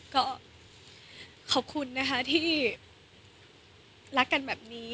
ก็ขอบคุณนะคะที่รักกันแบบนี้